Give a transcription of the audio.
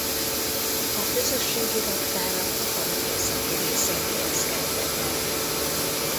A közösségi raktárak a falu északi részén helyezkedtek el.